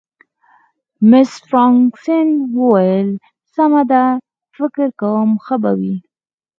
مس فرګوسن وویل: سمه ده، فکر کوم ښه به وي.